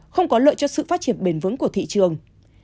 không có lợi cho sự phát triển bền vững của thị trường